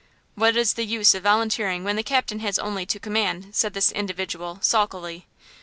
"What is the use of volunteering when the captain has only to command," said this individual, sulkily.